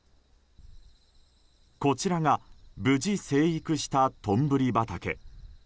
こちらが無事生育したとんぶり畑。